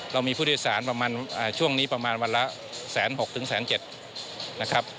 เรามีผู้โดยสารประมาณช่วงนี้ประมาณวันละ๑๖๐๐๑๗๐๐นะครับ